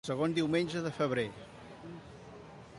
Segon diumenge de febrer.